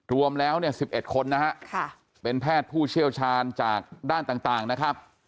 รวมแล้วเนี่ย๑๑คนนะฮะเป็นแพทย์ผู้เชี่ยวชาญจากด้านต่างนะครับ